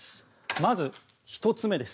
まず、１つ目です。